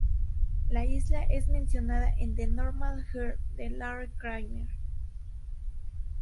La isla es mencionada en The Normal Heart de Larry Kramer.